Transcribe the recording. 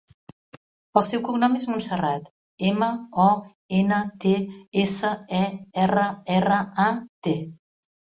El seu cognom és Montserrat: ema, o, ena, te, essa, e, erra, erra, a, te.